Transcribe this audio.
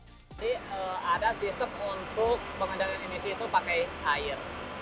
jadi ada sistem untuk pengendalian emisi itu pakai air